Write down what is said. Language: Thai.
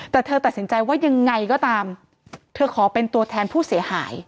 แต่เธอตัดสินใจว่ายังไงก็ตามเธอขอเป็นตัวแทนผู้เสียหาย